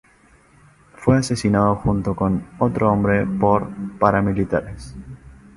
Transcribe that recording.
Fue asesinado junto con otro hombre por paramilitares.